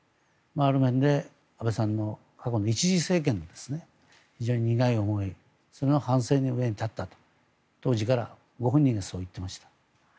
ある面で安倍さんの第１次政権の苦い思いその反省の上に立ったと当時からご本人がそう言ってました。